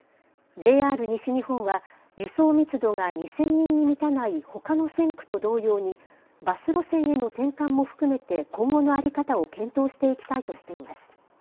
ＪＲ西日本は輸送密度が２０００人に満たないほかの線区と同様にバス路線への転換も含めて今後の在り方を検討していきたいとしています。